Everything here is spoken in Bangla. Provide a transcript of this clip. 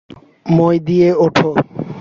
মই দিয়ে ওঠো।